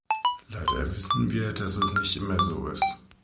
Leider wissen wir, dass es nicht immer so ist.